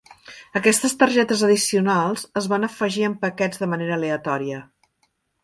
Aquestes targetes addicionals es van afegir en paquets de manera aleatòria.